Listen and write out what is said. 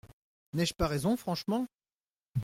N’ai-je pas raison franchement ?